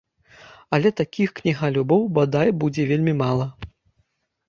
Але такіх кнігалюбаў, бадай, будзе вельмі мала.